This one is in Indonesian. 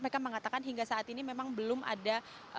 mereka mengatakan hingga saat ini memang belum ada